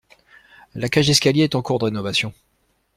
La cage d'escalier est en cours de rénovation.